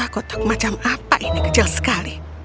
kotak macam apa ini kecil sekali